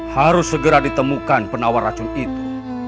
harus segera ditemukan penawar racun itu